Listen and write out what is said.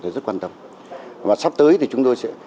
sẽ rất quan tâm và sắp tới thì chúng tôi